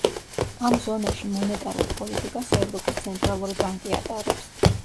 ამ ზონაში მონეტარულ პოლიტიკას ევროპის ცენტრალური ბანკი ატარებს.